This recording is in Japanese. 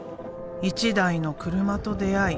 １台の車と出会い